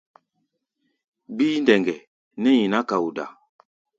Gbíí ndɛŋgɛ nɛ́ nyiná kaoda.